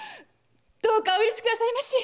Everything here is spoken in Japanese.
どうかお許しくださいまし！